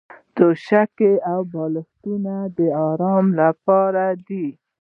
توشکې او بالښتونه د ارام لپاره دي.